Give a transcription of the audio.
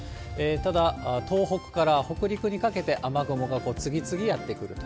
ただ、東北から北陸にかけて、雨雲がこう、次々やって来ると。